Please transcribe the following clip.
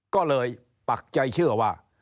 ก็เลยปักใจเชื่อว่า